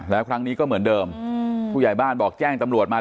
แล้วครั้งนี้ก็เหมือนเดิมผู้ใหญ่บ้านบอกแจ้งตำรวจมา